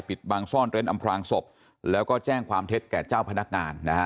ปิดบังซ่อนเร้นอำพลางศพแล้วก็แจ้งความเท็จแก่เจ้าพนักงานนะฮะ